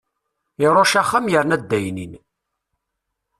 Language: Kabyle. Irucc axxam yerna addaynin.